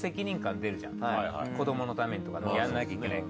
子どものためにとかやらなきゃいけない。